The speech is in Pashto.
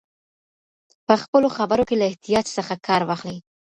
په خپلو خبرو کې له احتیاط څخه کار واخلئ.